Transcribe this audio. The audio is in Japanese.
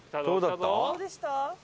どうでした？